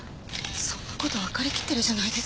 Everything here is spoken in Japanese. そんな事わかりきってるじゃないですか。